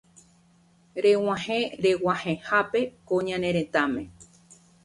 reg̃uahẽ reg̃uahẽhápe ko ñane retãme